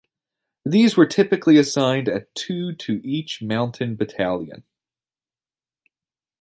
These were typically assigned at two to each mountain battalion.